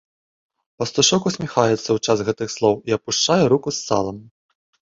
Пастушок усміхаецца ў час гэтых слоў і апушчае руку з салам.